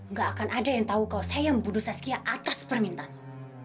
nggak akan ada yang tahu kalau saya yang membunuh saskia atas permintaanmu